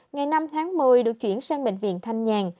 ngày năm tháng một mươi được chuyển sang bệnh viện thanh nhàn